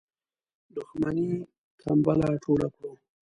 دښمنی کمبله ټوله کړو.